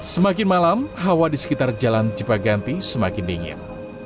semakin malam hawa di sekitar jalan cipaganti semakin dingin